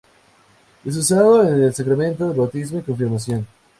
Es usado en el sacramento del bautismo y la confirmación.